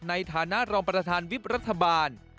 ในฐานะรองประธานวิบรัฐบาล